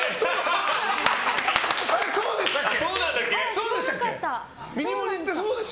そうでしたっけ？